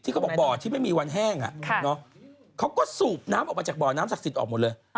เขาบอกบ่อที่ไม่มีวันแห้งเขาก็สูบน้ำออกมาจากบ่อน้ำศักดิ์สิทธิ์ออกหมดเลย